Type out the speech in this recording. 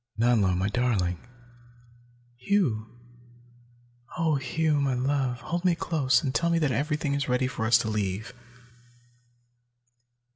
Nanlo, my darling!" "Hugh! Oh, Hugh, my love, hold me close and tell me that everything is ready for us to leave!"